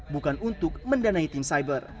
bukan untuk mendanai tim cyber